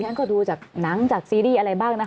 ฉันก็ดูจากหนังจากซีรีส์อะไรบ้างนะคะ